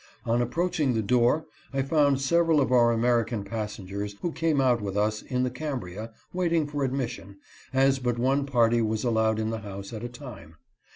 On approaching the door, I found several of our American passengers who came out with us in the Cam bria, waiting for admission, as but one party was allowed in the house at a time.